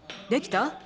できた？